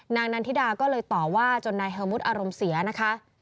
นางนันทิดาก็เลยต่อว่าจนนายเฮอร์มุดอารมณ์เสียนะคะ